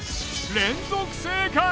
連続正解！